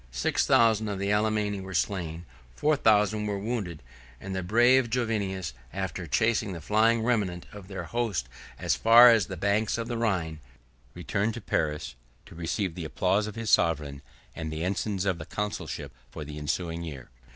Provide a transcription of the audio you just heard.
Six thousand of the Alemanni were slain, four thousand were wounded; and the brave Jovinus, after chasing the flying remnant of their host as far as the banks of the Rhine, returned to Paris, to receive the applause of his sovereign, and the ensigns of the consulship for the ensuing year.